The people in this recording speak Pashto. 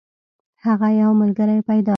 هغه یو ملګری پیدا کړ.